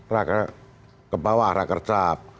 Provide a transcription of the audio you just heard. rakyat kebawah rakyat kercap